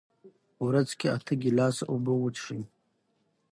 ورځ کې اته ګیلاسه اوبه وڅښئ.